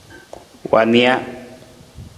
Wa nija.